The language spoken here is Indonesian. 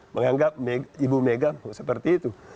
menganggap ibu mega seperti itu